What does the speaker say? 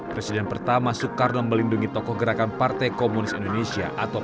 presiden pertama soekarno melindungi tokoh gerakan partai komunis indonesia